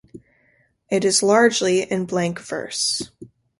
It is largely in blank verse.